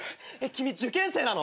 君受験生なの！？